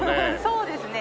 そうですね。